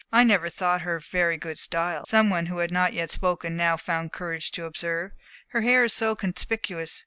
"I never thought her very good style," some one who had not yet spoken now found courage to observe. "Her hair is so conspicuous.